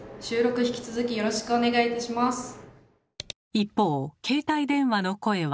一方携帯電話の声は。